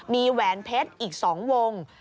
มีแหวนเพชรอีก๒วง